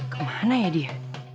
kemana ya dia